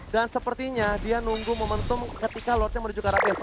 dan sepertinya dia nunggu momentum ketika lordnya menuju carapace